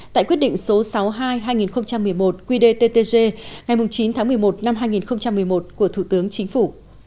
tại quyết định số sáu mươi hai hai nghìn một mươi một qdttg ngày chín tháng một mươi một năm hai nghìn một mươi một của thủ tướng chính phủ